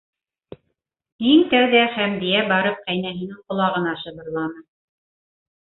Иң тәүҙә Хәмдиә барып ҡәйнәһенең ҡолағына шыбырланы: